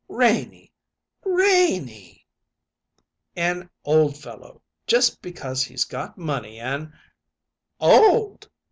"Renie! Re nie!" "An old fellow, just because he's got money and " "Old!